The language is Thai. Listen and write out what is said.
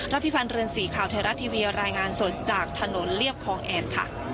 พิพันธ์เรือนสีข่าวไทยรัฐทีวีรายงานสดจากถนนเรียบคลองแอนค่ะ